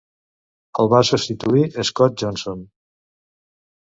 el va substituïr Scott Johnson.